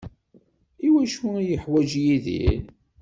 I wacu iyi-yuḥwaǧ Yidir?